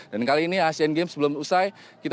dan kali ini asean games belum usai